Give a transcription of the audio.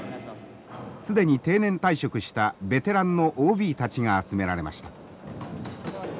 既に定年退職したベテランのＯＢたちが集められました。